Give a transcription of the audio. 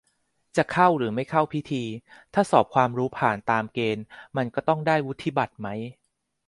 จะเข้าหรือไม่เข้าพิธี ถ้าสอบความรู้ผ่านตามเกณฑ์มันก็ต้องได้วุฒิบัตรไหม